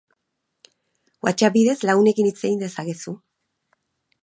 Whatsapp bidez lagunekin hitz egin dezakezu.